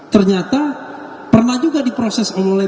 ternyata pernah juga diproses oleh